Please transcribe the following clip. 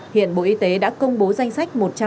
hiện bộ y tế đã công bố danh sách